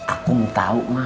aku mau tahu ma